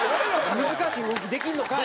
難しい動きできんのかい！